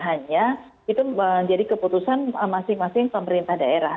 hanya itu menjadi keputusan masing masing pemerintah daerah